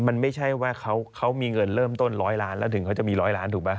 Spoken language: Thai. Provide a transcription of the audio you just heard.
มันไม่ใช่ว่าเขามีเงินเริ่มต้นร้อยล้านแล้วถึงเขาจะมี๑๐๐ล้านถูกป่